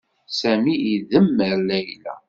Sami idemmer Layla.